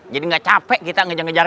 jadi nggak capek kita ngejar ngejar